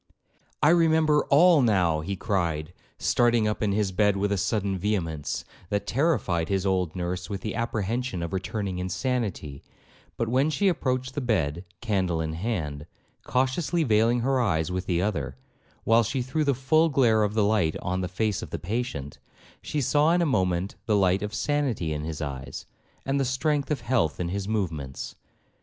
— 'I remember all now,' he cried, starting up in his bed with a sudden vehemence, that terrified his old nurse with the apprehension of returning insanity; but when she approached the bed, candle in hand, cautiously veiling her eyes with the other, while she threw the full glare of the light on the face of the patient, she saw in a moment the light of sanity in his eyes, and the strength of health in his movements.